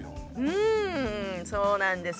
うんそうなんです。